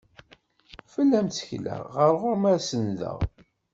Fell-am ttekleɣ, ɣer ɣur-m ad sendeɣ.